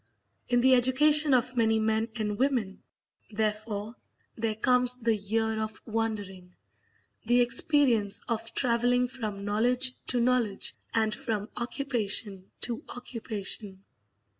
In the education of many men and women, therefore, there comes the year of wandering; the experience of travelling from knowledge to knowledge and from occupation to occupation.